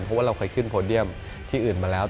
เพราะว่าเราเคยขึ้นโพเดียมที่อื่นมาแล้ว